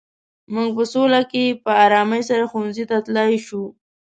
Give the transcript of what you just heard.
موږ په سوله کې په ارامۍ سره ښوونځي ته تلای شو.